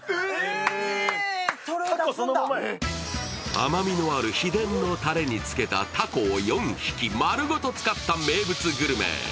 甘みのある秘伝のタレにつけたたこを４匹まるごと使った名物グルメ。